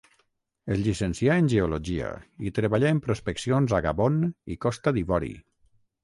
Es llicencià en geologia i treballà en prospeccions a Gabon i Costa d'Ivori.